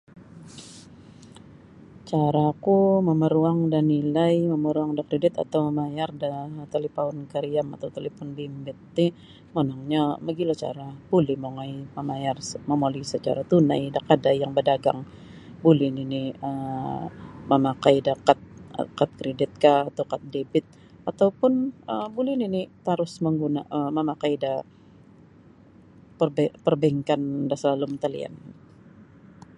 Cara oku mamaruwang da nilai mamorong da kridit ataupun mamayar da talipaun kariyam ataupun talipun bimbit ti monongnyo mogilo cara buli mongoi mamayar momoli sacara tunai da kadai da badagang buli nini um mamakai da kad kad kridit ka atau kad debit ataupun um buli nini tarus mangguna um mamakai da perbank perbankan da salalum talian